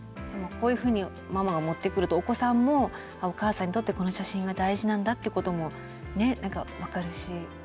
でもこういうふうにママが持ってくるとお子さんもお母さんにとってこの写真が大事なんだってことも何か分かるし。